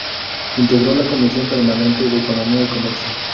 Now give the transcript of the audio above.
Integró la Comisión Permanente de Economía y Comercio.